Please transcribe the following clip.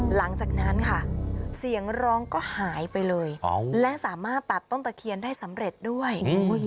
หลังจากนั้นค่ะเสียงร้องก็หายไปเลยและสามารถตัดต้นตะเคียนได้สำเร็จด้วย